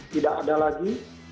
tidak ada lagi